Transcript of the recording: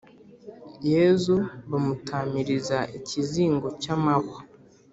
yezu bamutamiriza ikizingo cy’amahwa